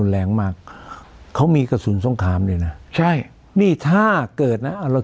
แรงมากเขามีกระสุนสงครามเลยนะใช่นี่ถ้าเกิดนะเรา